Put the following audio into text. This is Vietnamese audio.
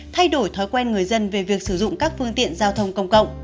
thay đổi thói quen người dân về việc sử dụng các phương tiện giao thông công cộng